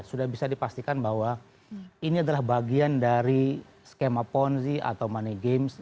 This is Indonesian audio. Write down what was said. sudah bisa dipastikan bahwa ini adalah bagian dari skema ponzi atau money games